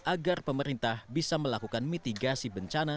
agar pemerintah bisa melakukan mitigasi bencana